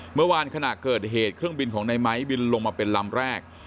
เมื่อวานขณะเกิดเหตุเครื่องบินของในไม้บินลงมาเป็นลำแรก